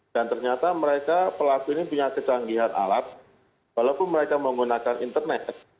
dan ternyata mereka pelaku ini punya kecanggihan alat walaupun mereka menggunakan internet